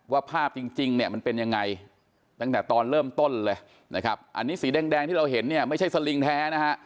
ภาพจริงเนี่ยมันเป็นยังไงตั้งแต่ตอนเริ่มต้นเลยนะครับอันนี้สีแดงที่เราเห็นเนี่ยไม่ใช่สลิงแท้นะฮะ